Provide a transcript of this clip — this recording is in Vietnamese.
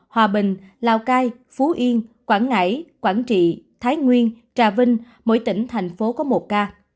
hòa bình lào cai phú yên quảng ngãi quảng trị thái nguyên trà vinh mỗi tỉnh thành phố có một ca